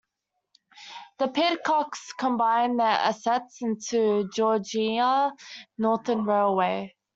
The Pidcocks combined their assets into the Georgia Northern Railway.